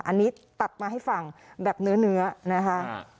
อันนี้ตัดมาให้ฟังแบบเนื้อนะคะ